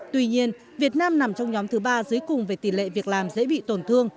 tuy nhiên việt nam nằm trong nhóm thứ ba dưới cùng về tỷ lệ việc làm dễ bị tổn thương năm mươi bốn một